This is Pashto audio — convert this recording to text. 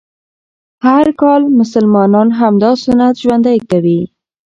هر کال مسلمانان همدا سنت ژوندی کوي